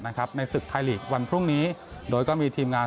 ในศึกไทยลีกวันพรุ่งนี้โดยก็มีทีมงาน